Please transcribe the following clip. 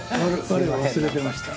我を忘れてました。